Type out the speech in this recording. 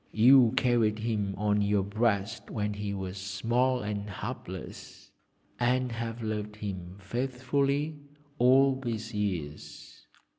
You carried him on your breast when he was small and helpless, and have loved him faithfully all these years!'